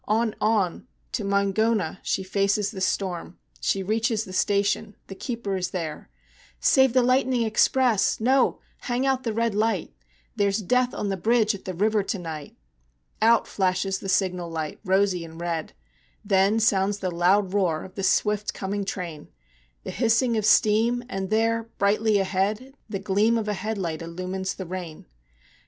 On, on to Moingona! she faces the storm, She reaches the station the keeper is there, "Save the lightning express! No hang out the red light! There's death on the bridge at the river to night!" Out flashes the signal light, rosy and red; Then sounds the loud roar of the swift coming train, The hissing of steam, and there, brightly ahead, The gleam of a headlight illumines the rain.